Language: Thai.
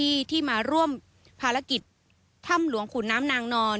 ขุนเจ้าหน้าที่ที่มาร่วมภารกิจถ้ำหลวงขุนน้ำนางนอน